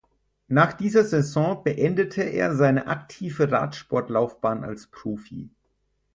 Nach dieser Saison beendete er seine aktive Radsport-Laufbahn als Profi.